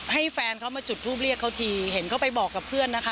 ให้แฟนเขามาจุดทูปเรียกเขาทีเห็นเขาไปบอกกับเพื่อนนะคะ